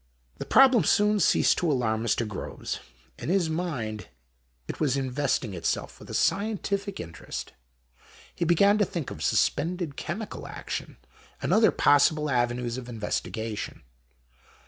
The problem soon ceased to alarm Mr. Groves ; in his mind it was investing itself with a scientific interest. He began to think of suspended chemical action, and other possible avenues of investigation.